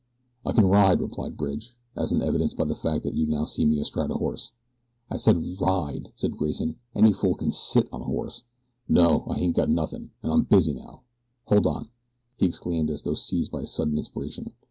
"I can ride," replied Bridge, "as is evidenced by the fact that you now see me astride a horse." "I said RIDE," said Grayson. "Any fool can SIT on a horse. NO, I hain't got nothin', an' I'm busy now. Hold on!" he exclaimed as though seized by a sudden inspiration.